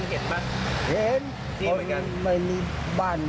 เนี่ยคนเสื้อขาวหันไปมองนี่เห็นละแต่ก็เฉย